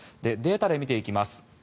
データで見ていきます。